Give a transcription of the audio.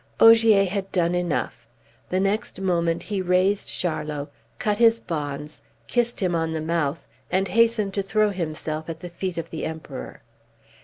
Ogier had done enough. The next moment he raised Charlot, cut his bonds, kissed him on the mouth, and hastened to throw himself at the feet of the Emperor.